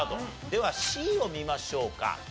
ではＣを見ましょうか。